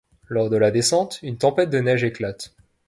Lors de la descente, une tempête de neige éclate.